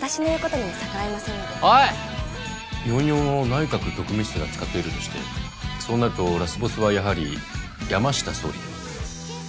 ４４を内閣特務室が使っているとしてそうなるとラスボスはやはり山下総理では？